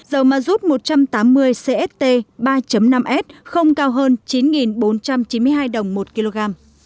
dầu mazut một trăm tám mươi cst ba năm s không cao hơn chín bốn trăm chín mươi hai đồng một kg